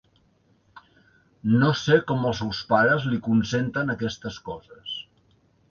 No sé com els seus pares li consenten aquestes coses.